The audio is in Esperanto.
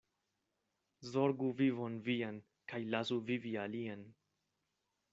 Zorgu vivon vian kaj lasu vivi alian.